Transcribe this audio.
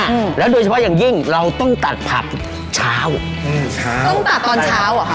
อืมแล้วโดยเฉพาะอย่างยิ่งเราต้องตัดผักเช้าอืมเช้าต้องตัดตอนเช้าอ่ะค่ะ